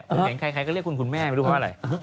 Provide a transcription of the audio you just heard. ผมเห็นใครก็เรียกคุณคุณแม่ไม่รู้เพราะอะไร